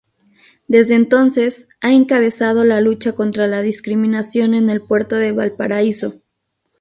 Desde entonces, ha encabezado la lucha contra la discriminación en el puerto de Valparaíso.